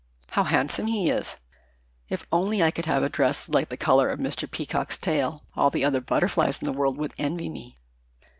"How handsome he is! If only I could have a dress like the colors of Mr. Peacock's tail all the other butterflies in the world would envy me.